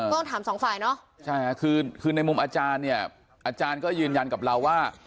เออใช่คือในมุมอาจารย์เนี่ยอาจารย์ก็ยืนยันกับเราว่า